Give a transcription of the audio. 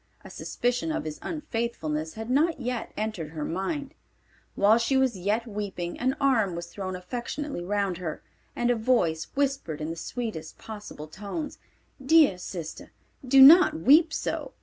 A suspicion of his unfaithfulness had not yet entered her mind. While she was yet weeping an arm was thrown affectionately round her, and a voice whispered in the sweetest possible tones, "Dear sister, do not weep so.